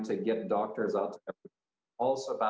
tapi bukan hanya menggunakan online